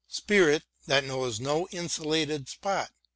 Spirit that knows no insulated spot.